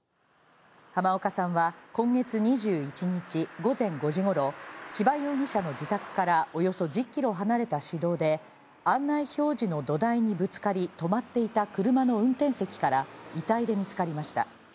濱岡さんは今月２１日午前５時ごろ、千葉容疑者の自宅からおよそ１０キロ離れた市道で、案内表示の土台にぶつかり止まっていた車の運転席から、遺体で見つかりました。